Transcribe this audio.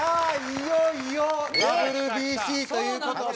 いよいよＷＢＣという事で。